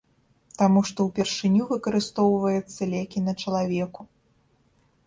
Таму што ўпершыню выкарыстоўваецца лекі на чалавеку.